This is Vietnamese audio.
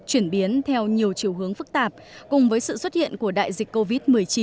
chuyển biến theo nhiều chiều hướng phức tạp cùng với sự xuất hiện của đại dịch covid một mươi chín